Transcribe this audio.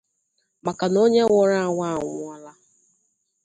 maka na onye nwụrụ anwụ anwụọla.